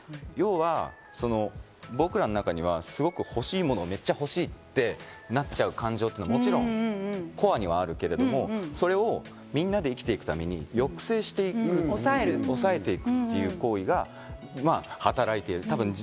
要は僕らの中にはすごく欲しい物をめっちゃ欲しいってなっちゃう感情ってもちろんコアはあるけど、みんなで生きていくために抑制している、抑えていくという行為が働いている。